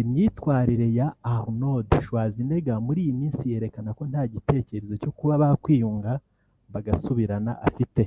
imyitwarire ya Arnold Schwarzenegger muri iyi minsi yerekana ko nta gitekerezo cyo kuba bakwiyunga bagasubirana afite